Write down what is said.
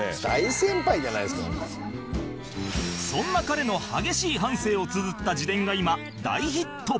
そんな彼の激しい半生をつづった自伝が今大ヒット